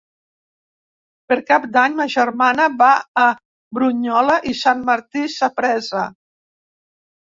Per Cap d'Any ma germana va a Brunyola i Sant Martí Sapresa.